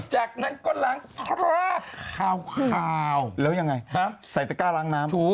จากนั้นก็ล้างแคราวแล้วยังไงเสริฟตะกะล้างน้ำ